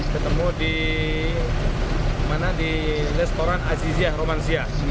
ketemu di restoran aziziyah romansiyah